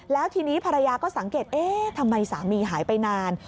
แล้วทีนี้ภรรยาก็สังเกตเอ๊ะทำไมสามีหายไปนาน